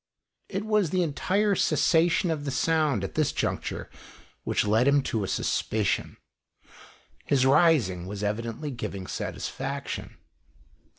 It was the entire cessation of the sound at this juncture which led him to a suspicion. His rising was evidently giving satisfaction.